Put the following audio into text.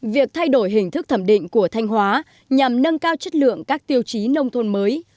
việc thay đổi hình thức thẩm định của thanh hóa nhằm nâng cao chất lượng các tiêu chí nông thôn mới